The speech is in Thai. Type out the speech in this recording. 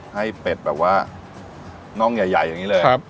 ให้เป็ดแบบว่าน้องใหญ่อย่างนี้เลยครับ